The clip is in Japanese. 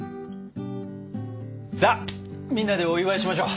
さあみんなでお祝いしましょう。